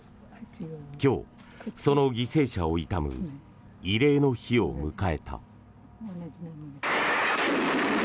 今日、その犠牲者を悼む慰霊の日を迎えた。